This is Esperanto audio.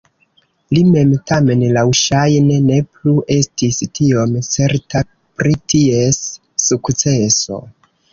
Li mem tamen laŭŝajne ne plu estis tiom certa pri ties sukceso.